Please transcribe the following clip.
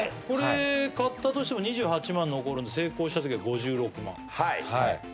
これ買ったとしても２８万残るので成功したときは５６万はい